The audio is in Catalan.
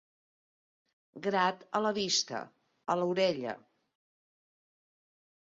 Grat a la vista, a l'orella.